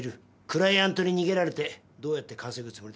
クライアントに逃げられてどうやって稼ぐつもりですか？